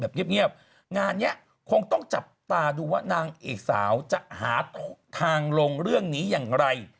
เงียบงานเนี้ยคงต้องจับตาดูว่านางเอกสาวจะหาทางลงเรื่องนี้อย่างไร